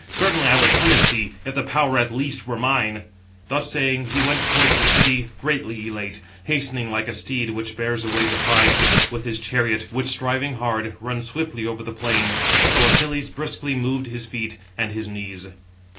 Certainly I would punish thee, if the power at least were mine." Thus saying, he went towards the city greatly elate, hastening like a steed which bears away the prize, with his chariot, which striving hard, runs swiftly over the plain. So Achilles briskly moved his feet and his knees.